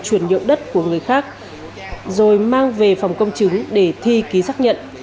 chuyển nhượng đất của người khác rồi mang về phòng công chứng để thi ký xác nhận